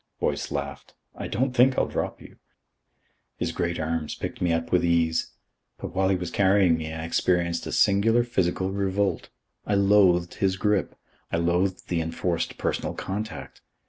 Boyce laughed. "I don't think I'll drop you." His great arms picked me up with ease. But while he was carrying me I experienced a singular physical revolt. I loathed his grip. I loathed the enforced personal contact.